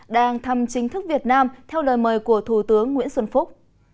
đang thăm chính thức việt nam theo lời mời của thủ tướng nguyễn xuân phúc